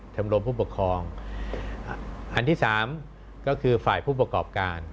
ชมรมผู้ปกครองอันที่สามก็คือฝ่ายผู้ประกอบการ